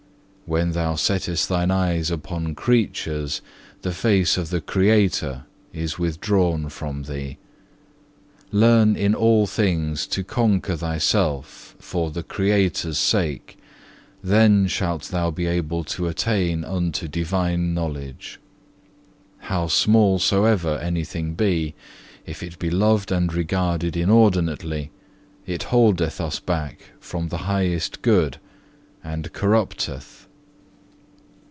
When thou settest thine eyes upon creatures, the face of the Creator is withdrawn from thee. Learn in all things to conquer thyself for thy Creator's sake, then shalt thou be able to attain unto divine knowledge. How small soever anything be, if it be loved and regarded inordinately, it holdeth us back from the highest good, and corrupteth."